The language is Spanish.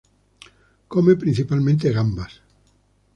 Come principalmente gambas.